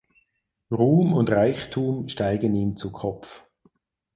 Ruhm und Reichtum steigen ihm zu Kopf.